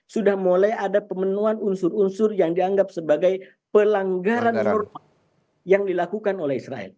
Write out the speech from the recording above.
sudah mulai ada pemenuhan unsur unsur yang dianggap sebagai pelanggaran yang dilakukan oleh israel